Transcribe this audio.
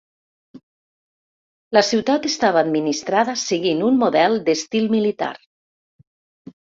La ciutat estava administrada seguint un model d'estil militar.